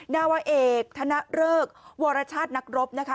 นาวะเอกธนเริกวรชาตินักรบนะคะ